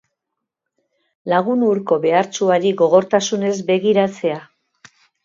Lagun hurko behartsuari gogortasunez begiratzea.